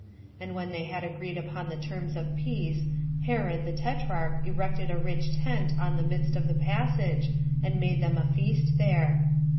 And when they had agreed upon the terms of peace Herod, the tetrarch erected a rich tent on the midst of the passage, and made them a feast there.